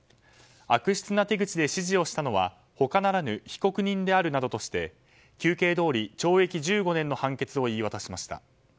悪質な手口で指示をしたのは他ならぬ被告人であるなどとして求刑どおり懲役１５年の判決を言い渡しました。